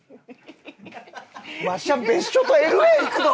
わしゃ別所とＬ．Ａ．行くど！